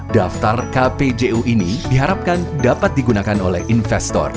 daftar kpju ini diharapkan dapat digunakan oleh investor